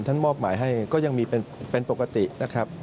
มอบหมายให้ก็ยังมีเป็นปกตินะครับ